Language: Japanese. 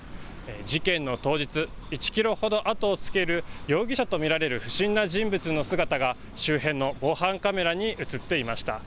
事件の当日、１キロほど後をつける容疑者と見られる不審な人物の姿が周辺の防犯カメラに写っていました。